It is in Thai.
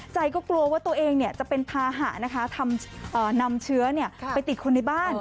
ใจก็กลัวว่าตัวเองจะเป็นภาหะนะคะนำเชื้อไปติดคนในบ้าน